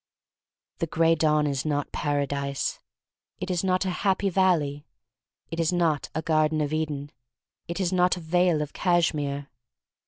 The Gray Dawn is not Paradise; it is not a Happy Valley; it is not a Garden of Eden; it is not a Vale of Cashmere.